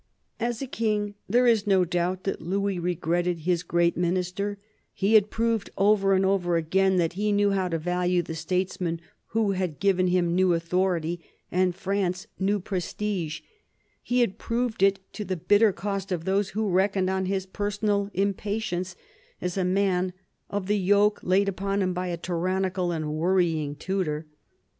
As a King, there is no doubt that Louis regretted his great Minister ; he had proved over and over again that he knew how to value the statesman who had given him new authority and France new prestige ; he had proved it to the bitter cost of those who reckoned on his personal impatience, as a man, of the yoke laid upon him by a tyrannical and worrying tutor.